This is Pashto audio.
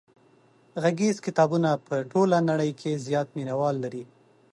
غږیز کتابونه په ټوله نړۍ کې زیات مینوال لري.